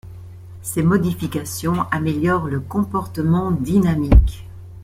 Ces modifications améliorent le comportement dynamique.